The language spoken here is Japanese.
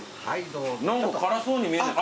何か辛そうに見えない。